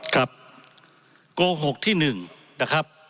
กรกวงหกที่หนึ่งนะครับ